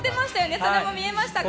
それも見えましたか？